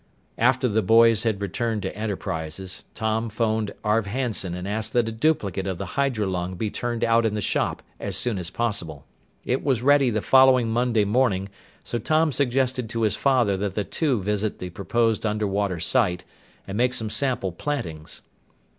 After the boys had returned to Enterprises, Tom phoned Arv Hanson and asked that a duplicate of the hydrolung be turned out in the shop as soon as possible. It was ready the following Monday morning, so Tom suggested to his father that the two visit the proposed underwater site and make some sample plantings.